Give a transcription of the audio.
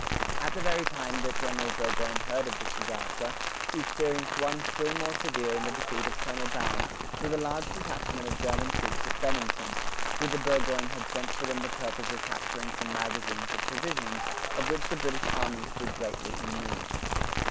At the very time that General Burgoyne heard of this disaster, he experienced one still more severe in the defeat of Colonel Baum with a large detachment of German troops at Benington, whither Burgoyne had sent them for the purpose of capturing some magazines of provisions, of which the British army stood greatly in need.